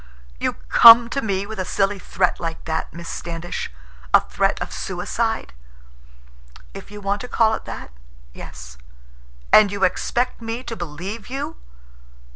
"You come to me with a silly threat like that, Miss Standish? A threat of suicide?" "If you want to call it that—yes." "And you expect me to believe you?"